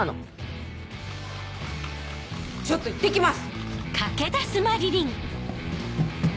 ハァちょっと行って来ます！